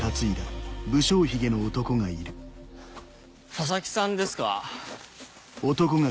佐々木さんですか？